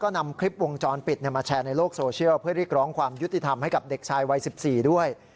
นำคลิปวงจรปิดมาแชร์ในโลกโซเชียลเพื่อเรียกร้องความยุติธรรมให้กับเด็กชายวัย๑๔ด้วย